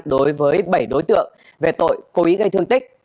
đối với bảy đối tượng về tội cố ý gây thương tích